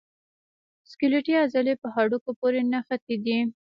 سکلیټي عضلې په هډوکو پورې نښتي دي.